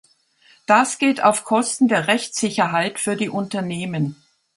Das geht auf Kosten der Rechtssicherheit für die Unternehmen.